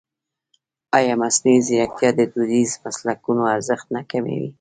ایا مصنوعي ځیرکتیا د دودیزو مسلکونو ارزښت نه کموي؟